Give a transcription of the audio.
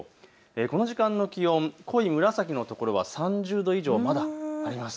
この時間の気温、濃い紫の所は３０度以上、まだあります。